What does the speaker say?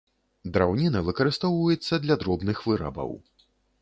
Драўніна выкарыстоўваецца для дробных вырабаў.